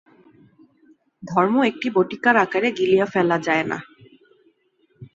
ধর্ম একটি বটিকার আকারে গিলিয়া ফেলা যায় না।